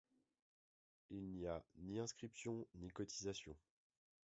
Il n'y a ni inscription ni cotisation.